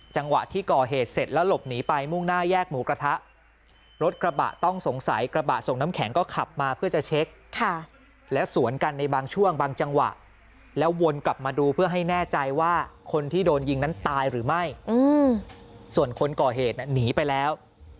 จังหวะที่ก่อเหตุเสร็จแล้วหลบหนีไปมุ่งหน้าแยกหมูกระทะรถกระบะต้องสงสัยกระบะส่งน้ำแข็งก็ขับมาเพื่อจะเช็คแล้วสวนกันในบางช่วงบางจังหวะแล้ววนกลับมาดูเพื่อให้แน่ใจว่าคนที่โดนยิงนั้นตายหรือไม่ส่วนคนก่อเหตุหนีไปแล้ว